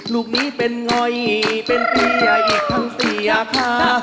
ลูกนี้เป็นโง่ยเป็นเปี๊ยอีกค่าเสียคา